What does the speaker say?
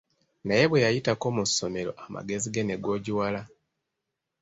Naye bwe yayitako mu ssomero amagezi ge ne googiwala.